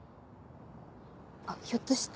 あっひょっとして。